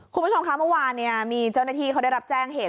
คุณผู้ชมคะเมื่อวานมีเจ้าหน้าที่เขาได้รับแจ้งเหตุ